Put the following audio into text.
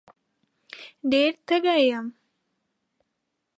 ډېره تږې یم